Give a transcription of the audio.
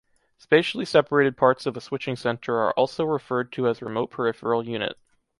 Spatially separated parts of a switching center are also referred to as remote peripheral unit.